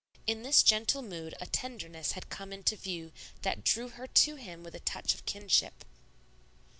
In this gentle mood a tenderness had come into view that drew her to him with a touch of kinship.